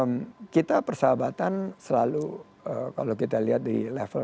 ya kita persahabatan selalu kalau kita lihat di level